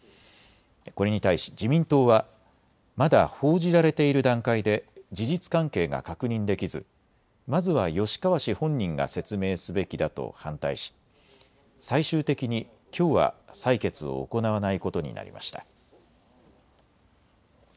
これに対し自民党はまだ報じられている段階で事実関係が確認できずまずは吉川氏本人が説明すべきだと反対し、最終的にきょうは採決を行わないことになりました。